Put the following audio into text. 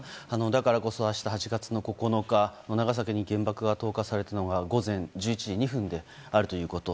だからこそ明日８月９日長崎に原爆が投下されたのは午前１１時２分であるということ。